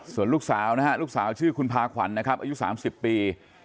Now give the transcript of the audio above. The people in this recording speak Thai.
ส่วนลูกสาวนะฮะลูกสาวชื่อคุณพาขวัญนะครับอายุ๓๐ปี